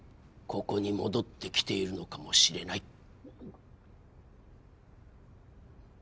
ここに戻ってきているのかもしれない。